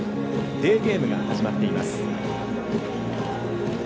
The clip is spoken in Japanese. デイゲームが始まっています。